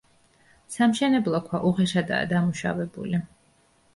სამშენებლო ქვა უხეშადაა დამუშავებული.